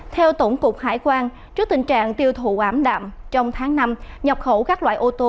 theo tổng cục hải quan trước tình trạng tiêu thụ ảm đạm trong tháng năm nhập khẩu các loại ô tô